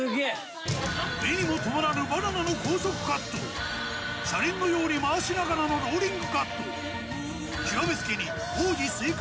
目にもとまらぬバナナの高速カット車輪のように回しながらのローリングカット極めつけに奥義スイカ